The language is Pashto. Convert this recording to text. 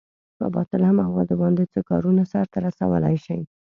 په باطله موادو باندې څه کارونه سرته رسولئ شئ؟